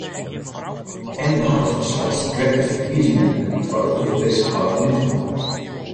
En we hawwe fansels krekt de ferkiezingen foar it Europeesk Parlemint hân.